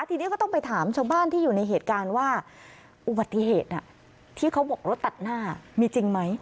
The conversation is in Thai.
ทีนี้ก็ต้องไปถามชาวบ้านที่อยู่ในเหตุการณ์ว่าอุบัติเหตุที่เขาบอกรถตัดหน้ามีจริงไหม